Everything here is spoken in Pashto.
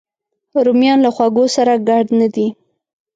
رومیان له خوږو سره ګډ نه دي